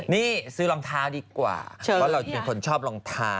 นี่ซื้อรองเท้าดีกว่าเพราะเราเป็นคนชอบรองเท้า